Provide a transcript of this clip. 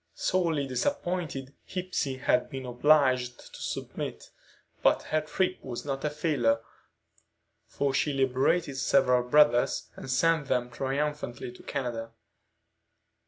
Sorely disappointed, Hepsey had been obliged to submit; but her trip was not a failure, for she liberated several brothers and sent them triumphantly to Canada.